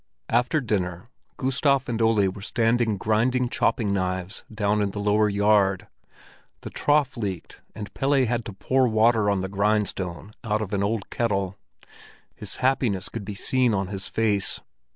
After dinner, Gustav and Ole were standing grinding chopping knives down in the lower yard. The trough leaked, and Pelle had to pour water on the grindstone out of an old kettle. His happiness could be seen on his face.